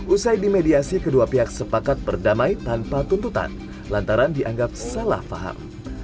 usai dimediasi kedua pihak sepakat berdamai tanpa tuntutan lantaran dianggap salah faham